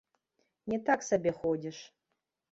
Не так сабе ходзіш!